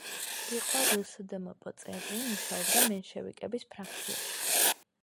იყო რსდმპ წევრი, მუშაობდა მენშევიკების ფრაქციაში.